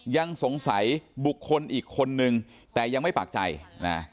ยังสงสัยบุคคลอีกคนนึงแต่ยังไม่ปากใจนะ